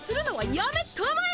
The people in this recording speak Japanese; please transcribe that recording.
やめたまえ。